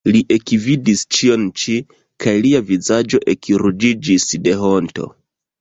Li ekvidis ĉion ĉi, kaj lia vizaĝo ekruĝiĝis de honto.